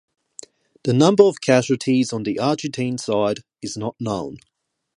The number of casualties on the Argentine side is not known.